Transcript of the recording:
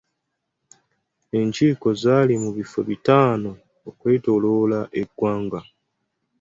Enkiiko zaali mu bifo bitaano okwetooloola eggwanga.